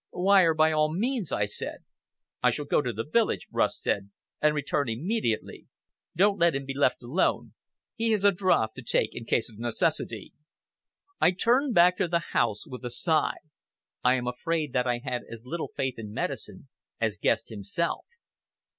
"Wire by all means," I said. "I shall go to the village," Rust said, "and return immediately. Don't let him be left alone. He has a draught to take in case of necessity." I turned back to the house with a sigh. I am afraid that I had as little faith in medicine as Guest himself.